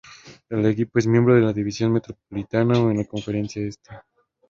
El equipo es miembro de la división metropolitano en la conferencia este.